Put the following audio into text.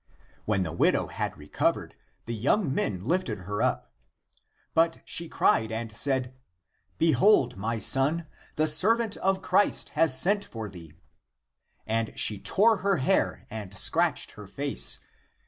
When the widow had recovered, the young men lifted her up. But she cried and said, " Behold (my) son, the servant of Christ has sent for thee," and she tore her hair and scratched her face.